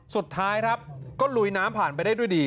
สุดท้ายครับก็ลุยน้ำผ่านไปได้ด้วยดี